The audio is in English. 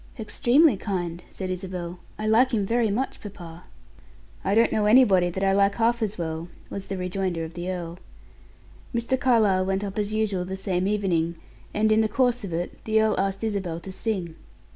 "Extremely kind," said Isabel. "I like him very much, papa." "I don't know anybody that I like half as well," was the rejoinder of the earl. Mr. Carlyle went up as usual the same evening, and, in the course of it, the earl asked Isabel to sing.